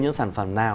những sản phẩm nào